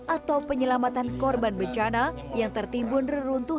atau penyelamatan korban bencana yang tertimbun reruntuhan